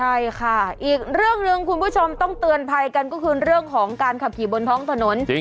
ใช่ค่ะอีกเรื่องหนึ่งคุณผู้ชมต้องเตือนภัยกันก็คือเรื่องของการขับขี่บนท้องถนน